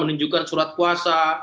menunjukkan surat kuasa